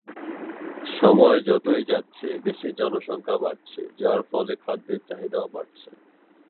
সময় যতই যাচ্ছে দেশের জনসংখ্যা বাড়ছে যার ফলে খাদ্যের চাহিদাও বাড়ছে।